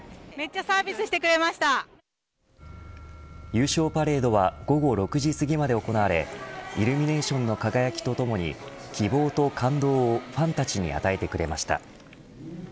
優勝パレードは午後６時すぎまで行われイルミネーションの輝きとともに希望と感動をファンたちに与えてくれました。